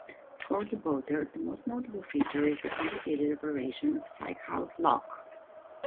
For the boater, the most notable feature is the complicated operation of Sykehouse Lock.